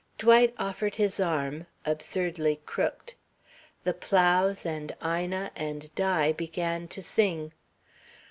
Dwight offered his arm, absurdly crooked. The Plows and Ina and Di began to sing.